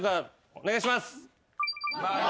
お願いします。